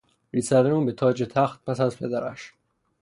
رسیدن او به تاج و تخت پس از پدرش